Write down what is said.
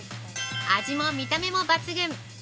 味も見た目も抜群